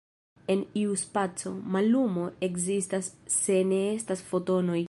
En iu spaco, mallumo ekzistas se ne estas Fotonoj.